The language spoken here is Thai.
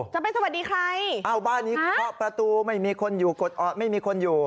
สวัสดีใครอ้าวบ้านนี้เคาะประตูไม่มีคนอยู่กดออดไม่มีคนอยู่